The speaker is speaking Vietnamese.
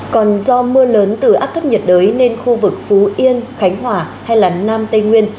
còn do mưa lớn từ áp thấp nhiệt đới nên khu vực phú yên khánh hòa hay nam tây nguyên